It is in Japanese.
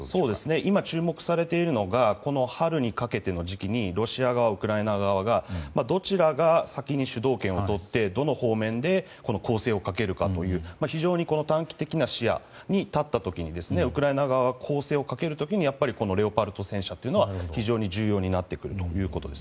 今注目されているのが春にかけての時期にロシア側、ウクライナ側どちらが先に主導権を握ってどの方面で攻勢をかけるかという短期的な視野に立った時にウクライナ側が攻勢をかける時にやっぱりレオパルト戦車というのは非常に重要になってくるということです。